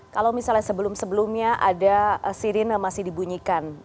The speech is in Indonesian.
kalau misalnya sebelum sebelumnya ada sirine masih dibunyikan